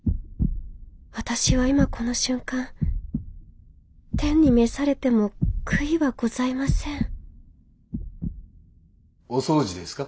私は今この瞬間天に召されても悔いはございませんお掃除ですか。